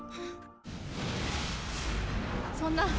「そんな。